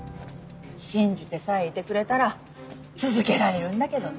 信じてさえいてくれたら続けられるんだけどね。